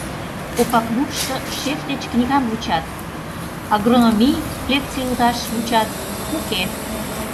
Опакнурышто шеф деч книгам вучат, агрономий! лекций лудаш вучат — уке.